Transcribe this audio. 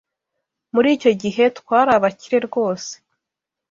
Muri icyo gihe, twari abakire rwose.